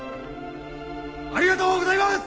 ありがとうございます！